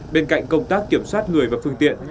bên cạnh công tác kiểm soát người và phương tiện